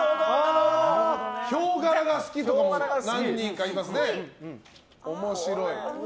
ヒョウ柄が好きとかも何人かいますね。